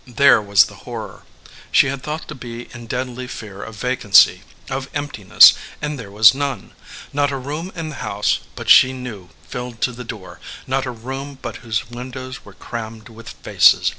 There was the horror. She had thought to be in deadly fear of vacancy, of emptiness, and there was none. Not a room in the house but she knew filled to the door, not a room but whose windows were crammed with faces.